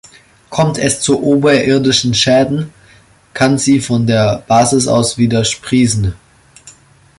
Kommt es zu oberirdischen Schäden, kann sie von der Basis aus wieder sprießen.